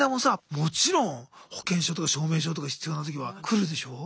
もちろん保険証とか証明書とか必要な時は来るでしょう？